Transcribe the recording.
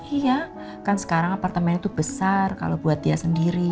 iya kan sekarang apartemen itu besar kalau buat dia sendiri